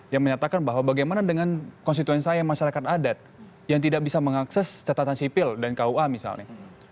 yang menyatakan bahwa bagaimana dengan konstituen saya masyarakat adat yang tidak bisa mengakses catatan sipil dan kua misalnya